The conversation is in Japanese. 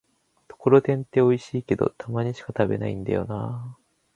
ところてんっておいしいけど、たまにしか食べないんだよなぁ